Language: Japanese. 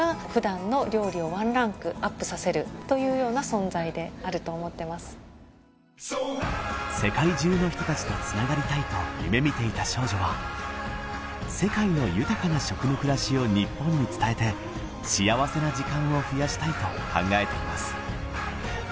そんな吉永さんの今の夢とは吉永さんがその先に目指す未来の夢は世界中の人たちとつながりたいと夢みていた少女は世界の豊かな食の暮らしを日本に伝えて幸せな時間を増やしたいと考えています